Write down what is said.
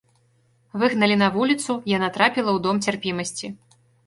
Выгналі на вуліцу, яна трапіла ў дом цярпімасці.